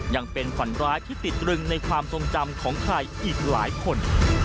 ยังเป็นฝันร้ายที่ติดตรึงในความทรงจำของใครอีกหลายคน